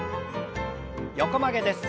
横曲げです。